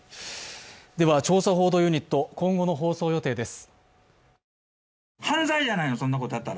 調査報道ユニット、今後の放送予定です。